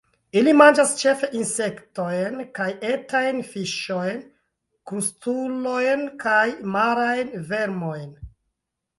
Ili manĝas ĉefe insektojn kaj etajn fiŝojn, krustulojn kaj marajn vermojn.